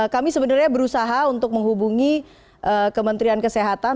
kami sebenarnya berusaha untuk menghubungi kementerian kesehatan